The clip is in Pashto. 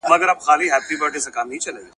• د ډېري لرگى، د يوه انډى.